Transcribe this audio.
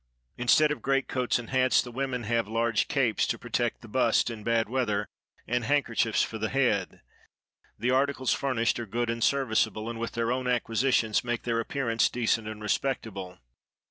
Instead of great coats and hats, the women have large capes to protect the bust in bad weather, and handkerchiefs for the head. The articles furnished are good and serviceable; and, with their own acquisitions, make their appearance decent and respectable.